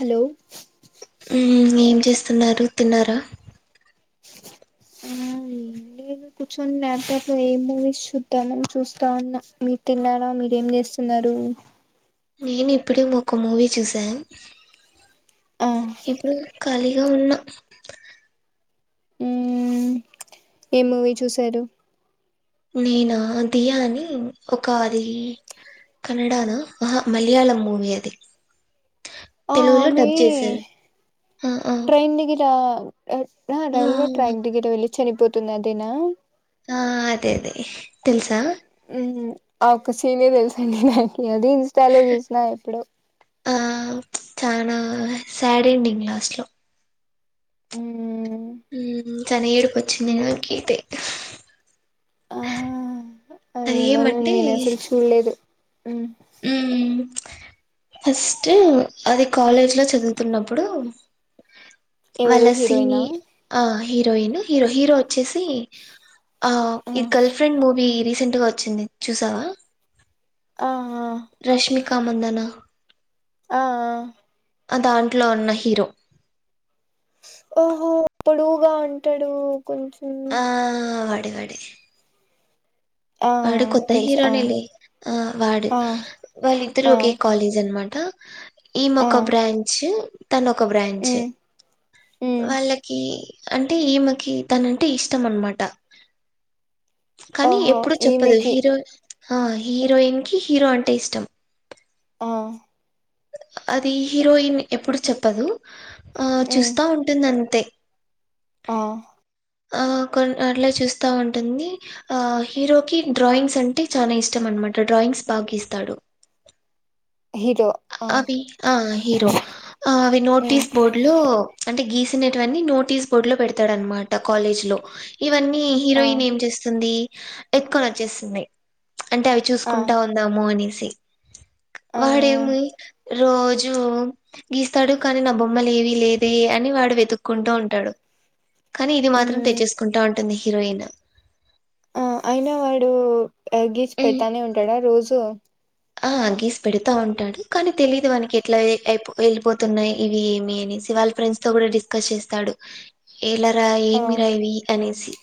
Hello హ్మ్మ్ ఏం చేస్తున్నారు తిన్నారా హా ఏంలేదు, కుర్చొని ల్యాప్టాప్ లో ఏం మూవీస్ చూద్దామని చూస్తాన్న. మీరు తిన్నారా? మీరు ఏం చేస్తున్నారు? నేను ఇప్పుడే ఒక మూవీ చూసాను ఆ ఎట్లుందక్కా అది లో ఉన్న ఏం మూవీ చూసారు నేనా దియా అని ఒక అది కన్నడాలో ఆహా మలయాళం మూవీ అది ఓ తెలుగులో ఆమే డబ్ చేశారు ఆ ఆ ట్రైన్ ని గిట్ల ఎట్ల ఆ రైల్వే ట్రాక్ దిగి ఎటో వెళ్లి చనిపో తుందదేనా ఆ అదే అదే తెల్సా ఉమ్మ్ ఆ ఒక్క సీనే తెల్సండి అహ హ ఇగదీ ఇన్స్టాలో చూసిన ఎప్పుడో ఆ చనా సాడెండింగ్ లాస్ట్ లో ఊ ఊ చానా ఏడుపొచ్చింది నాకైతే ఆ అ ఏమో నేనసలు చూడలేదు ఉమ్ మ్మ్మ్ ఫస్ట్ అది కాలేజ్ లో చదువుతున్నప్పుడు ఎవరు వల హీరోయినా సినీ ఆ హీరోయిన్ హీరో హీరో వచ్చేసి ఆ ఈ గర్ల్ ఫ్రెండ్ మూవీ రీస్ రీసెంట్గా వచ్చింది చూసావా ఆ రష్మీ కామందనా ఆ ఆ ఆ దాంట్లో ఉన్న హీరో ఓహో పొడువుగా ఉంటాడు కొంచం డే వాడే ఆ వాడు కొత్త తెలుసు ఆ హీరోనేలే ఆ వాడు ఆ వాళ్ళిద్దరు ఆ ఒకే కాలేజ్ అనమా ఆ ఈమోకా బ్రాంచ్ తను ఒక బ్రాంచ్ ఉమ్ ఉమ్ వాళ్ళకి అంటే ఈమెకి తనంటే ఇష్టం అన్నమాట కానీ ఓహో ఎప్పుడు చెప్పదు ఈమెకి హీరో ఆ హీరోయిన్ కి హీరో అంటే ఇష్టం ఆ అది హీరోయిన్ ఎప్పుడు చెప్పదు ఆ ఉమ్ చూస్తా ఉంటుంది అంతే ఆ ఆ కొన్ అట్లా చూస్తా ఉంటుంది ఆ హీరోకి డ్రాయింగ్స్ అంటే చాన ఇష్టం అనమాట డ్రాయింగ్స్ బా గీస్తాడు హీరో ఆ అవి ఆ హీరో అవి ఉమ్ నోటీస్ బోర్డు లో అంటే గీస్ టువని నోటీస్ బోర్డు లో పెడతాడనమాట కాలేజ్ లో ఇవన్నీ ఆ హీరోయిన్ ఏం చేస్తుంది ఎత్తుకొనివచ్చేస్తుంది అంటే అవి ఆ చూసుకుంటా ఉందాము అనేసి సి ఆ వా డేమి రోజూ గీస్తాడు కానీ నా బొమ్మలు ఏవీ లేదే అని వాడు వెతుక్కుంటూ ఉంటాడు కానీ ఇది మాత్రం ఉమ్ తెచ్చేసుకుంటా ఉంటుంది హిరోయిన్ ఆ అయినా వాడు గీస్ హ్మ్. పెడతనే ఉంటాడా రో జు ఆ గీసి పెడతా ఉంటాడు కానీ తెలిదు వానకి ఎట్లా అయిపో వెళ్ళిపోతున్నాయి ఇవి ఏమి అనేసి వాళ్ళ ఫ్రెండ్స్ తో కూడా డిస్కస్ చేస్తాడు ఏలరా ఆ ఏమిరా ఇవి అనేసి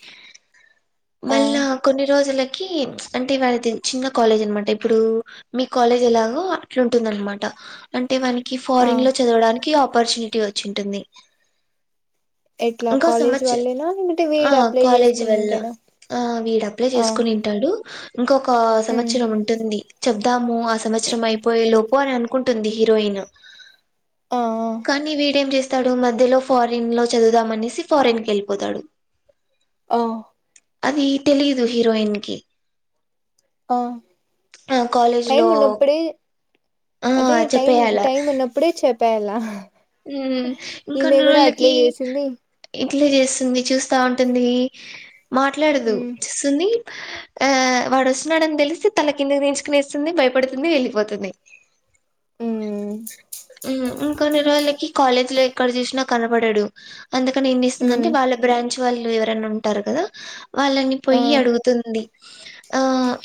ఆ మళ్ళా కొన్ని రోజుల కీ అంటే వాళది చిన్న కాలేజ్ అనమాట ఇప్పుడు మీ కాలేజ్ ఎలాగో అట్లుంటుందన్నమాట అం టె వానికి ఆ ఫారిన్ లో చదవడానికి అప్ పర్చునిటీ వచ్చింటుంది ఎట్లా ఇంకో కాలేజ్ సంవత్సరం వాళ్ళేనా లేకుంటే ఆ వీడు అప్లై కాలేజీ వల్ల చేసుకునింటాడా ఆ వీడు అప్లై ఆ చేసుకునింటాడు ఇంకొక ఉమ్ సంవత్సరం ఉంటుంది చబ్ ము ఆ సంవత్సరం అయిపోయే లో పో అని అనుకుంటుంది హీరోయిన్ ఆ కానీ వీడేం చేస్ తాడు మధ్యలో ఫారిన్ లో చదువుదాంనేసి ఫారెన్ కి వెళ్ళిపోతాడు ఆ అది తెలీదు హీరోయిన్ కి ఆ ఆ కాలేజ్ లో టైమ్ ఉన్నప్పుడే ఆ అదే టై చెప్పేయాల టైమ్ ఉన్నప్పుడే చెప్పేలా ఉమ్ ఇంకొన్ని రోజళకి చేసింది ఎట్లా చేస్తుంది చూస్తా ఉంటుంది మాట్లాడదు ఉమ్ చస్తుంది ఆ వాడు వస్తున్నాడని తెలిసి తల కిందకి తీంచుకునిస్తుంది భయపడుతుంది వెళ్ళిపోతుంది ఉమ్ ఉమ్ ఇంకొన్ని రోజులకి కాలేజ్ లో ఎక్కడ చూసినా కనపడాడు అందుకనిేన్ని ఏం చేస్తుంది ఉమ్ అంటే వాళ్ళ బ్రాంచ్ వాళ్ళు ఎవరై ఉంటారు కదా వాళ్ళని ఆ పొయి అడుగుతుంది ఆ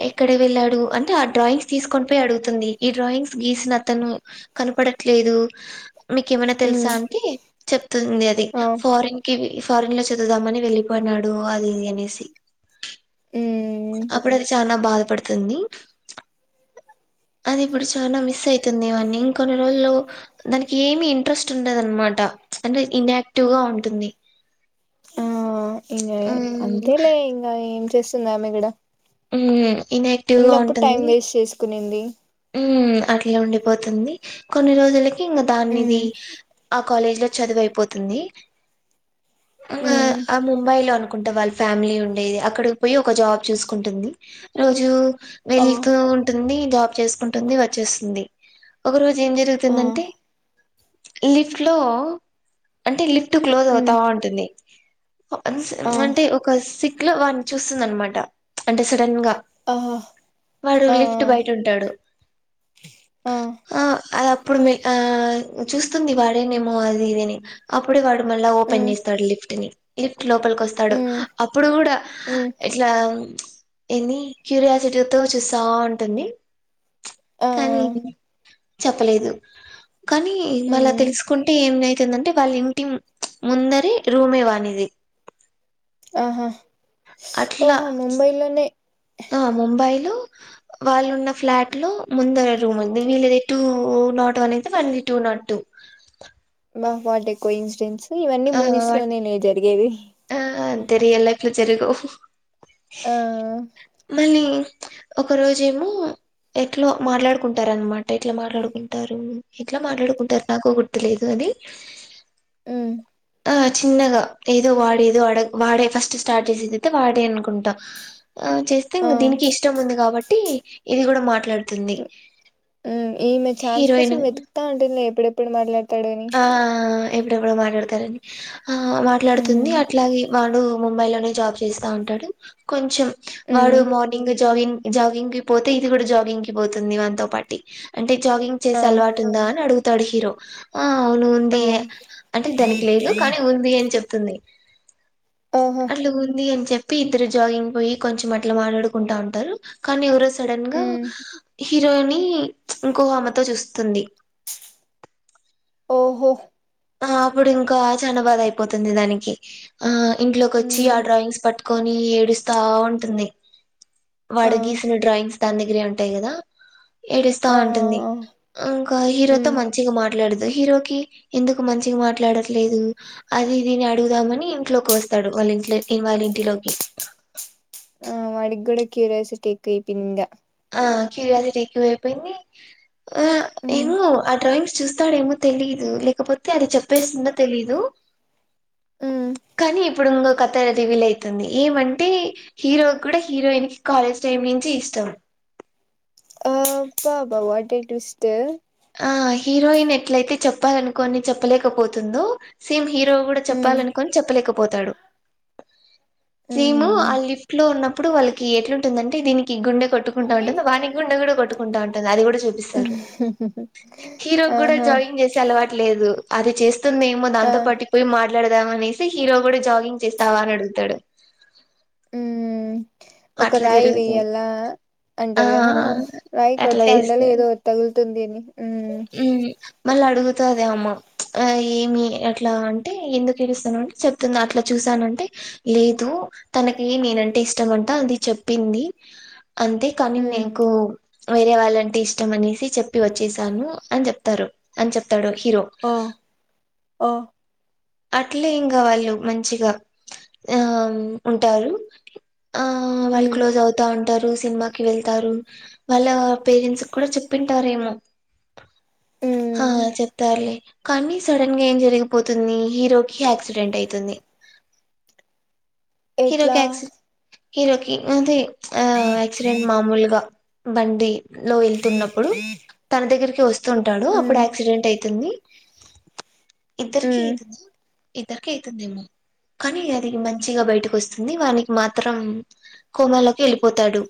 ఎక్కడ వెళ్ళాడు అంటే ఆ డ్రాయింగ్స్ తీసుకొని పోయి అడుగుతుంది ఈ డ్రాయింగ్స్ గీసిన అతను కనపడ లేదు మీకు ఏమైనా ఉమ్ తెలుసా అంటే చెప్తుంది అది ఆ ఫారిన్ కి ఫారిన్ లో చా వెళ్దామని వెళ్ళిపోయినాడు అది ఇది అనేసి ఉమ్ అప్పుడు అది చానా బాధపడుతుంది అది ఇప్పుడు చానా మిస్ అయితుంది వాన్నీ ఇంకొన్ని రోజుల్లో దానికి ఏమి ఇంట్రెస్ట్ ఉండదనమాట అంటే ఇనాక్టివ్ గా ఉంటుంది ఆ ఇంకా ఉమ్, అంతేలే ఇంకా ఏం చేస్త స్తున్నా మీ గూడా ఉ ఇన్యాక్టివ్గా ఉంటుంది తినండి ఉ అట్లా ఉండిపోతుంది కొన్ని రోజులకి ఇంగ ఉమ్ దానిమీదే ఆ కాలేజీ లో చదువయిపోతుంది ఉమ్ ఆ ముంబై లో కుంటే వాళ్ళ ఫ్యామిలీ ఉండేది అక్కడికి పోయి ఒక జాబ్ చూసుకుంటుంది రోజు ఆ వెళతూ ఉంటుంది జాబ్ చేస్ కుంటుంది వచ్చేస్తుంది ఒక రోజు ఏం ఆ జరుగుతుందంటే లిఫ్ట్ లో అంటే లిఫ్ట్ ఫ్ట్ క్లోజ్ అవుతా ఉమ్ ఉంటుంది వన్స్ ఆ అంటే ఒక సిక్ ట్లో వాడిని చూస్తుంది అనమాట అంటే సడన్ గా ఆ వాడు ఆ లిఫ్ట్ బయట ఉంటాడు ఆ అప్పుడు మీ ఆ చూస్తుంది వాడేనేమో అది ఇదని అప్పుడు వాడు మళ్ళ ఓపెన్ ఉమ్ చేస్తాడు లిఫ్టుని లిఫ్ట్ లోపలికొస్తాడు ఉమ్ అప్పుడు కూడా ఉమ్ ఇట్లా ఏంది క్యూరియాసిటీతో చూస్తా ఉంటుంది ఆ కానీ చెప్పలేదు కానీ మళ్ళా ఉమ్ తెలుసుకుంటే ఏమవుతుందంటే వాళ్ళ ఇంటి ముందరే రూమ్ వానిది ఆహా అట్లా ఓహో ముంబైలోనే ఆ ముంబై లో వాళ్ళున్న ఫ్లాట్ లో ముందర రూమ్ ఉంది వీళ్లది టూ నాట్ వన్ అయితే వాళ్ళది two not two wow what a coincidence ఇవన్నీ ఆ మూవీస్ వాటి లోనేనే జరిగేది ఆ అంతే రియల్ లైఫ్ లో జరగవు ఆ మళ్ళీ ఒక రోజేమో, ఎట్లా మాట్లాడుకుంటారు అనమాట ఎట్లా మాట్లాడుకుంటారు ఎట్లా మాట్లాడుకుంటారు నాకు గుర్తులేదు అది. ఉ ఆ చిన్నగా ఏదో వాడేదో వాడ వాడే ఫస్ట్ స్టార్ట్ చేసేదైతే వాడే అనుకుంట ఆ చేస్తేం ఆ దీనికి ఇష్టం ఉంది కాబట్టి ఇది కూడా మాట్లాడ్ ఆ ఈమె ఛాన్స్ కోసం హీరోయిన్ వెతుకుతా అంటు ఎప్పుడెప్పుడు మాట్లాడ్ ఆ ఎప్పుడెప్పుడో మాట్లాడతారని. ఆ మాట్లాడుతుంది ఉమ్ అట్లాగ వాడు ముంబై లోనే జాబ్ చేస్తా ఉంటాడు కొంచెం వాడు ఉమ్ మార్నింగ్ జాగింగ్ జాగింగ్ కి పోతే ఇది కూడా జాగింగ్ కి పోతుంది వాతో పాటి అంటే జాగింగ్ ఆ చేసే అలవాటు ఉందా అని అడు తడు హీరో ఆ అవును ఉంది ఆ అంటే దానికి లేదు కానీ ఉంది అని చెప్ తుంది. ఓహో అట్లు ఉంది అని చెప్ చెప్పి ఇద్దరు జాగింగ్ పోయి కొంచెం అట్లా మాట్లాడుకుంటా ఉంటారు కానీ ఎవరో సడన్ గా ఉమ్ హీరోయిని ఇంకో ఆమెతో చూస్తుంది ఓహో ఆ అప్పుడు ఇంకా చనా బాద అయిపోతుంది దానికి ఆ ఇంట్లోకి వచ్చి ఉమ్ ఆ డ్రాయింగ్స్ పట్టి కాని ఏడుస్తా ఉంటుంది. ఆ వాడగీసిన డ్రాయింగ్స్. తం దగ్గిరే ఉంటాయి కదా ఏడుస్తా ఆ ఉంటుంది. ఇంకా హీరోతో ఉమ్ మంచిగా మాట లడదు. హరోకి ఎందుకు మంచిగా మాట్లాడట్లేదు అది దీని అడుగుదామని ఇంట్లోకి వస్తాడు వాళ్ళ ఇంట్లో వాళ్ళ ఇంటిలోకి. ఆ వడికి కూడా క్యూరియాసిటీకు ఎక్కువ ఆపోయింది ఇంకా ఆ క్యూరియాసిటి ఎక్కువ ఐపోయింది ఆ ఉమ్ ఎంగ ఆ డ్రోయింగ్ చూస్తాడేమో తెలిదు లేకపోతే అది చెప్పేస్తుందో తెలిదు ఉమ్ కానీ ఇప్పుడుంగ కథ రివీల్ అవుతుంది ఏమంటే హీరో కూడా హీరోయిన్ కి కాలేజ్ టైమ్ నుంచి ఇష్టం. బా బా వాట్ ఏ ట్విస్ట్. ఆ హీరోయిన్ ఎట్లయితే చెప్పాలినుకోని చెప్పలేకపోతుందో సేమ్ హీరో కూడా ఉమ్ చెప్పాలనుకుని చెప్పలేకపో పోతాడు సెము ఉమ్ ఆ లిఫ్ట్ లో ఉన్నప్పుడు వాళ్ళకి ఎట్లుంటుందంటే దీనికి గుండె కొట్టుకుంటా ఉంటుంది వాణి గుండ కూడా కొట్టుకుంటా ఉంటుంది అది కూడా చూపిస్తారు హీరో కూడా ఆహా జాగింగ్ చేసే అలవాట్లేదు అది చేస్త నేమో దాంతో ఆ పటిపోయి మా మాట్లాడదాం అనేసి హీరో కూడా జాగింగ్ చేస్తావా అని అడుగుతాడు అ ఒక అట్లా రాయి జరుగుతుంది వేయ్యాల ఆ అంటారు కదా రాయి అట్లా కొడతా అండళ్ళ చేస్తాడు ఏదో తగులుతుంది అని ఉ అతుద అమ్మ ఏమి అట్లా అంటే ఎందుకు ఇలుస్తాను అంటే చెప్తుంది అట్లా చూసానంటే లేదు తనకి నేనంటే ఇష్టం అంటే అంత అది చెప్పింది అంతే కానీ ఉమ్ నీకు వేరే వాళ్ళంటే ఇష్టం అనేసి చెప్పి వచ్చేసాను అని చెప్తారు అని చెప్తాడు హీరో ఓ ఓ అట్లే ఇంకా వాళ్ళు మంచిగా ఆ ఉంటారు ఆ వాళ్ళు ఉమ్ క్లోజ్ అవుతా ఉం అంటారు సినిమాకి వెళ్తారు వాళ్ళ పేరెంట్స్ కూడా చెప్పింటారు ఏమో ఆ ఉమ్ చెప్తారు లే కానీ సడన్ గా ఏం జరిగిపోతుంది హీరోకి యాక్సిడెంట్ అయితుంది ఎట్లా హీరోకి యాక్సి హీరోకి అదే ఆ ఆక్సిడెంట్ మామూలుగా బండి లో వెళ్తున్నప్పుడు తన దగ్గరికి స్తుంటాడు అడు ఉమ్ యాక్సిడెంట్ అయి తుంది ఇద్దరుకి ఉమ్ ఇతునా ఇద్దరిక అవుతుందేమో కానీ అది మంచిగా బయటకు వస్తుంది వానికి మాత్రం కోమలోకి వెళ్ళిపోతాడు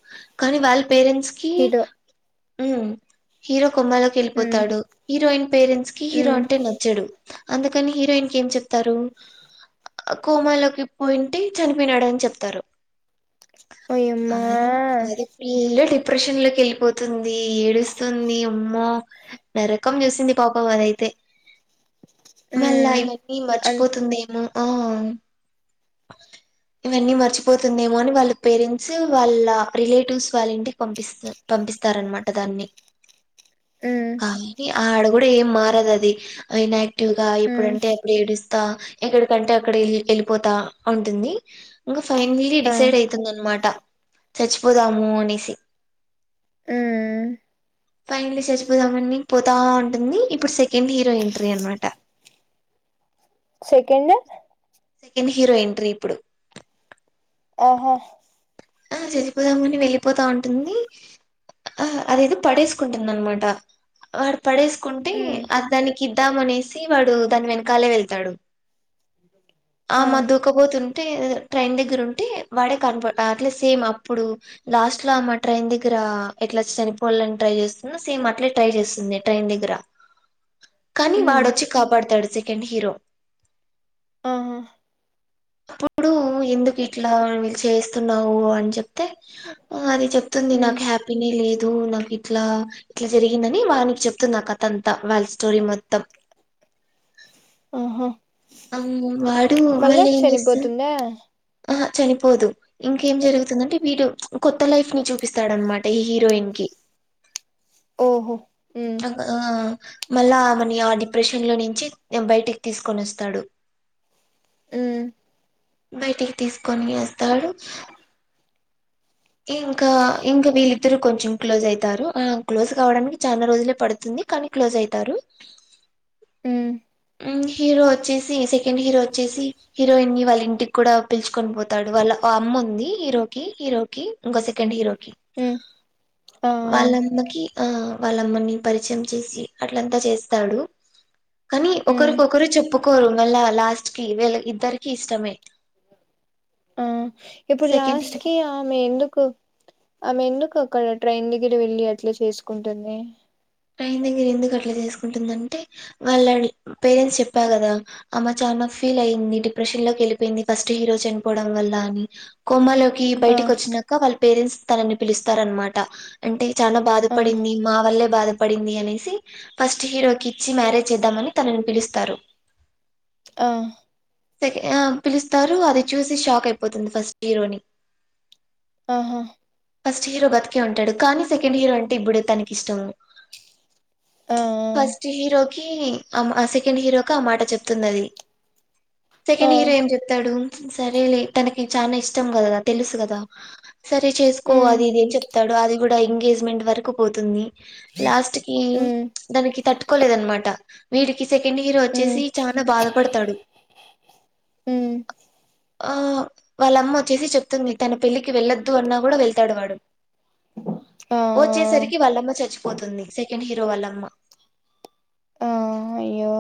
కానీ వాళ్ళ పేరెంట్స్ కి హీరో హీరో కోమాలోకి ఉమ్ వెళిపోతాడు హీరోయిన్ పేరెంట్స్ కి హీరో ఉమ్ అంటే నచ్చడు అందుకని హీరోయిన్ కి ఏం చెప్తారు కోమలోకి పోయింటే చనిపోనాడని చెప్తారు ఓయమ్మా అది అది పిల్ డిప్రెషన్ లోకి వెళ్ళిపోతుంది ఏడుస్తుంది ఉమ్మో నరకం చూసింది పాపం అదైతే మళ్ళా ఉమ్ ఇవన్నీ అన్ మర్చిపోతుందేమో ఆ ఇవన్నీ మర్చిపోతుందేమో అని వాళ్ళ పేరెంట్స్ వాళ్ళ రిలేటివ్స్ వాళ్ళ ఇంటికి పంపిస్త పంపిస్తారనమాట దాన్ని ఉమ్ ఆడు కూడా ఏం మారదు అది అయినా ఇటుగా ఉమ్ ఇప్పుడంటే అప్పుడు ఏడుస్తా తా ఎక్కడికంటే అక్కడ వెళ్ళిపోతా ఉంటుంది ఇంకా ఫైనల్లీ ఆ డిసైడ్ అవుతుందనమాట చచ్చిపోదాము అనేసి ఉమ్ ఫైనలీ చచ్చిపోదామని పోతా ఉంటుంది ఇప్పుడు సె కెండ్ హీరో ఎంట్రీ అనమాట సెకండ్ సెకండ్ హీరో ఎంట్రీ ఇప్పుడు అహా ఆ చచ్చిపోదాం అని వెళ్ళిపోతా ఉంటుంది ఆ అదేదో పడేసుకుంటుంది అన్నమాట వాడు పడేసుకుంటే ఉమ్ అ దాని కిిద్దామనేసి వాడు దాని వెనకాలే వెళ్తాడు ఆ ఆమ దూక బోతుం టే ట్రైన్ దగ్గర ఉంటే వాడే కనప అట్లా సేమ్ అప్పుడు లాస్ట్ లో ఆమా ట్రైన్ దగ్గర ఎట్లా చనిపోవాలని ట్రై చేస్తుందో సేమ్ అట్లే ట్రై చేస్తుంది ట్రైన్ దగ్గర కానీ ఉమ్ వాడొచ్చి కాపాడతాడు సె కండ్ హీరో అహా అప్పుడు ఎందుకు ఇట్లా వీళ్లు చే స్తునవు అని చెప్తే అది చెప్ తుంది ఉమ్ నాకు హ్యాపీనే లే దు నాకు ఇట్లా ఇట్లా జరిగిందని వానికి చెప్తుంది ఆ కథ అంతా వాళ్ల స్టోరీ మొత్తం అహా అవును వాడు మళ్లీ ఏం చేస్తారు చనిపోతుందా అహా చనిపోదు ఇంకేం జరుగుతుందంటే వీడు కొత్త లైఫ్ ని చూపిస్తాడన్నమాట ఈ హీరోయిన్ కి ఓహో ఉమ్ అగా ఆ మళ్లా ఆమెని ఆ డిప్రెషన్ లో నుంచి బయటికి తీసుకొని వస్ స్తడు మ్మ్ బయటికి తీసుకొని వస్తాడు ఇంకా ఇంకా వీళ్ళిద్దరు కొంచెం క్లోజ్ అయితారు ఆ క్లోజ్ కావడానికి చాలా రోజులే పడుతుంది కానీ క్లోజ్ అయితారు ఉమ్ మ్ హీరో వచ్చేసి సెకండ్ హీరో వచ్చేసి హీరోయిన్ ని వాళ్ల ఇంటికి కూడా పిలుచుకొని పోతాడు వాళ్ల అమ్మ ఉంది హీరోకి హీరో కి ఇంకొ సెకండ్ హీరో ఉమ్ ఆ వాళ్ళమ్మకి ఆ వాళ్ళమ్మని పరిచయం చేసి అట్లంతా చేస్తాడు కానీ ఉమ్, ఒకరికొకరు చెప్పు కోరు మళ్ల లాస్ట్ కి వీళ్ల ఇద్దరికి ఇష్టమే ఆ ఇప్పుడు సెకండ్ హీరో లాస్ట్ కి ఆమె ఎందుకు కు ఆమె ఎందుకు అక్కడ ట్రైన్ దగ్గర వెళ్లి అట్లా చేసుకుంటుంది ట్రైన్ దగ్గర ఎందుకు అట్లా చేసుకుంటుందంటే వాళ్ల పేరెంట్స్ చెప్పా కదా ఆమె చానా ఫీల్ అయింది డిప్రెషన్ లోకి వెళ్ళిపోయింది ఫస్ట్ హీరో చనిపోవడం వల్ల అని కొమాలో కి ఆ బయటకి వచ్చినాక వాళ్ల పేరెంట్స్ తనని పిలుస్తారు అన్నమాట అంటే చానా ఆ బాధపడింది మా వల్లే బాధప పడింది అనేసి ఫస్ట్ హీరోకి ఇచ్చి మ్యారేజ్ చేద్దామని తనని పిలుస్తారు ఆ సె అ పిలుస్తారు అది చూసి షాక్ అయిపోతుంది ఫస్ట్ హీరోని ఆహా.. ఫస్ట్ హీరో బతికే ఉంటాడు, కానీ సెకండ్ హీరో అంటే ఇప్పుడు తనకిష్టము ఆ ఫస్ట్ హీరో కి ఆ సెకండ్ హీరోకి ఆ మాట చెప్తుంది అది. ఆ సెకండ్ హీరో ఏం చెప్తాడు? సరేలే తనకి చానా ఇష్టం కదా తెలుసు కదా? సరే చేసుకో అది మ్ ఇది అని చెప్తాడు అది కూడా ఎంగేజ్మెంట్ వరకు పోతుంది. లాస్ట్ కి మ్ దనికి తట్ కోలేదనమాట వీడికి సెకండ్ హీరో వచ్చేసి చానా బాధపడతాడు. మ్మ్ ఆ వాళ్ళమ్మ వచ్చేసి చెప్తుంది తన పెళ్లికి వెళ్ళొద్దు అన్నా కూడా వెళ్తాడు వాడు ఆ వచ్చేసరికి వాళ్ళమ్మ చచ్చిపోతుంది. ఏంది హీరో వాళ్ళమ్మ? ఆ అయ్యో